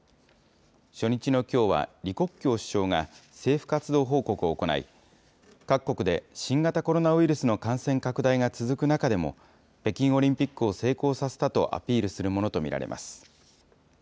初日のきょうは、李克強首相が政府活動報告を行い、各国で新型コロナウイルスの感染拡大が続く中でも、北京オリンピックを成功させたとアピールするものと見られます。